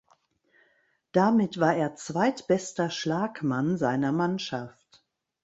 Damit war er zweitbester Schlagmann seiner Mannschaft.